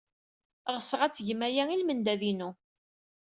Ɣseɣ ad tgem aya i lmendad-inu.